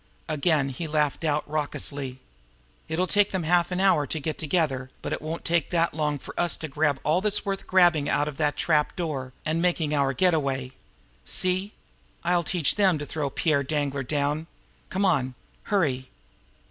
Again he laughed out raucously. "It'll take them half an hour to get together but it won't take that long for us to grab all that's worth grabbing out of that trap door, and making our getaway. See? I'll teach them to throw Pierre Danglar down! Come on, hurry!"